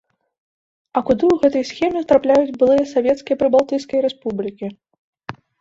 А куды ў гэтай схеме трапляюць былыя савецкія прыбалтыйскія рэспублікі?